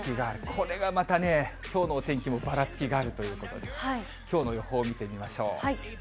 これがまたね、きょうのお天気もばらつきがあるということで、きょうの予報を見てみましょう。